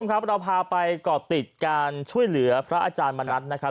ครับเราพาไปก่อติดการช่วยเหลือพระอาจารย์มณัฐนะครับ